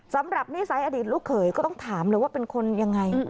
สำหรับนิสัยอดีตลูกเขยก็ต้องถามเลยว่าเป็นคนยังไง